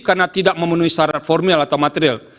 karena tidak memenuhi syarat formil atau material